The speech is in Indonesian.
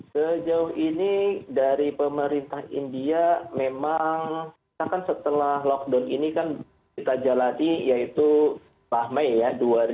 sejauh ini dari pemerintah india memang setelah lockdown ini kan kita jalani yaitu bahmei ya dua ribu dua puluh